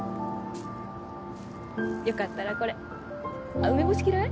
よかったらこれあっ梅干し嫌い？